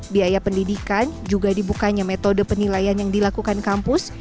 biaya pendidikan juga dibukanya metode penilaian yang dilakukan kampus